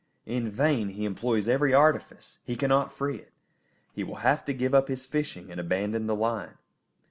In vain he employs every artifice; he cannot free it. He will have to give up his fishing and abandon the line.